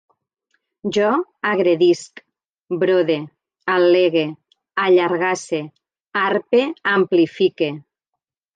Jo agredisc, brode, al·legue, allargasse, arpe, amplifique